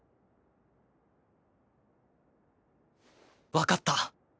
わかった。